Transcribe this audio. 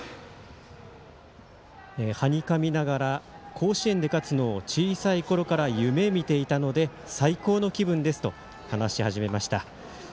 はにかみながら甲子園で勝つのを小さいころから夢見ていたので最高の気分ですと話し始めました。